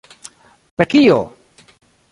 Per kio?